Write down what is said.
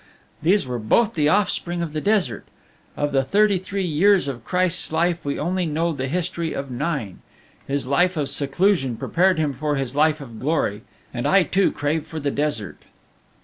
These were both the offspring of the desert. Of the thirty three years of Christ's life, we only know the history of nine; His life of seclusion prepared Him for His life of glory. And I too crave for the desert!"